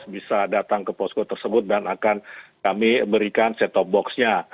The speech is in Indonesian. bisa datang ke posko tersebut dan akan kami berikan set top boxnya